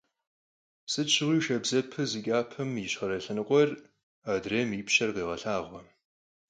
Sıt şığui şşabzepe zı ç'apem yişxhere lhenıkhuer, adrêym yipşer khağelhağue.